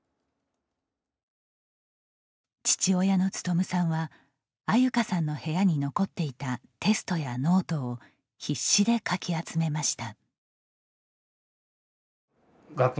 父親の努さんは安優香さんの部屋に残っていたテストやノートを必死でかき集めました。